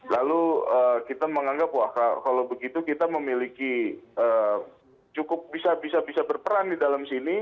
lalu kita menganggap wah kalau begitu kita memiliki cukup bisa bisa berperan di dalam sini